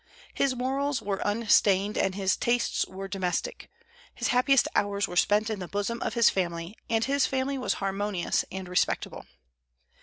His morals were unstained, and his tastes were domestic. His happiest hours were spent in the bosom of his family; and his family was harmonious and respectable.